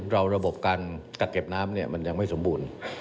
ระบบการกักเก็บน้ำมันยังไม่สมบูรณ์